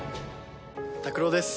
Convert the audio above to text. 「拓郎です」